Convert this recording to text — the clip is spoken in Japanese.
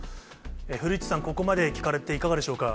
古市さん、ここまで聞かれて、いかがでしょうか。